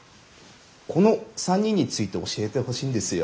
この３人について教えてほしいんですよ。